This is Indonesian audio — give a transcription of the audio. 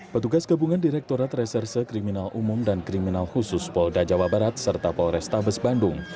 petugas gabungan direktorat reserse kriminal umum dan kriminal khusus polda jawa barat serta polrestabes bandung